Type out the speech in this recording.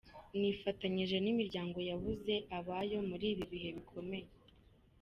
Nifatanyije n’imiryango yabuze abayo muri ibi bihe bikomeye.